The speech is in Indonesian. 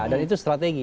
dan itu strategi